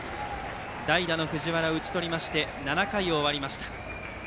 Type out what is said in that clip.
代打の藤原を打ち取りまして７回が終わりました。